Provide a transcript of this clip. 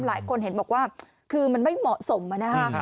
หลายคนเห็นบอกว่าคือมันไม่เหมาะสมนะฮะ